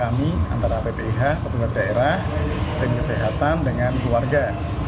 kami antara ppih petugas daerah tim kesehatan dengan keluarga